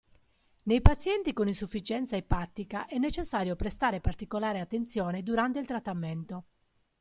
Nei pazienti con insufficienza epatica è necessario prestare particolare attenzione durante il trattamento.